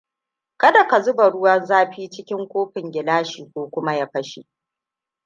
Kada ka zuba ruwan zafi cikin kofin gilashi ko kuma ya fashe.